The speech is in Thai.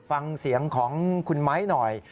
ฟังเสียงของคุณไม้หน่อย